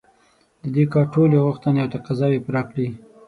د دې کار ټولې غوښتنې او تقاضاوې پوره کړي.